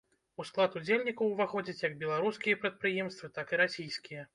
У склад удзельнікаў ўваходзяць як беларускія прадпрыемствы, так і расійскія.